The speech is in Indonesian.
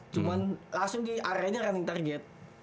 cuman langsung diareinnya running target